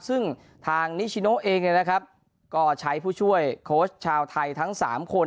ซึ่งทางนิชิโนเองเนี่ยนะครับก็ใช้ผู้ช่วยโค้ชชาวไทยทั้ง๓คน